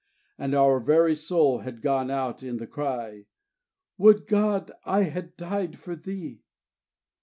And our very soul has gone out in the cry, "Would God I had died for thee!"